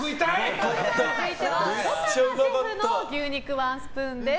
続いては保坂シェフの牛肉ワンスプーンです。